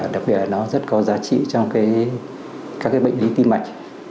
đặc biệt là nó rất có giá trị trong các bệnh lý tim mạch